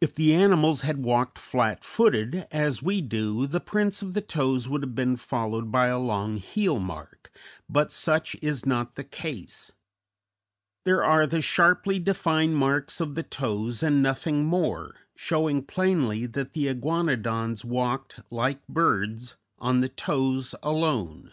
If the animals had walked flat footed, as we do, the prints of the toes would have been followed by a long heel mark, but such is not the case; there are the sharply defined marks of the toes and nothing more, showing plainly that the Iguanodons walked, like birds, on the toes alone.